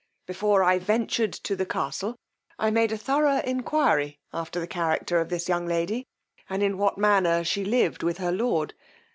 Before I ventured to the castle, I made a thorough enquiry after the character of this young lady, and in what manner she lived with her lord.